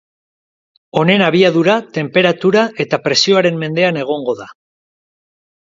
Honen abiadura, tenperatura eta presioaren mendean egongo da.